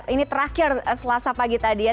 ini terakhir selasa pagi tadi ya